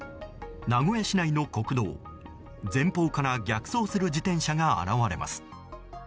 名古屋市内の国道、前方から逆走する自転車が現れます。